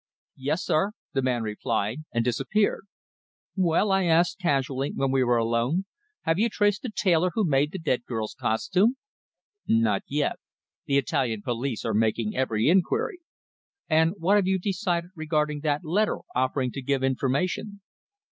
"Yes, sir," the man replied, and disappeared. "Well," I asked casually, when we were alone, "have you traced the tailor who made the dead girl's costume?" "Not yet. The Italian police are making every inquiry." "And what have you decided regarding that letter offering to give information?"